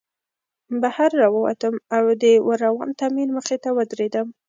بهر راووتم او د وران تعمیر مخې ته ودرېدم